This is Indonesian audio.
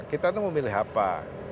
kita tuh memilih apa